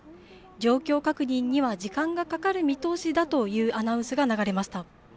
状況確認には時間がかかる見通しだというアナウンスが流れました。